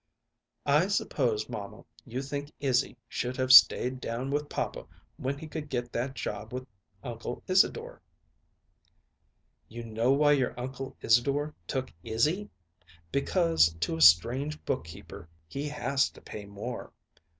"I suppose, mamma, you think Izzy should have stayed down with papa when he could get that job with Uncle Isadore." "You know why your Uncle Isadore took Izzy? Because to a strange bookkeeper he has to pay more.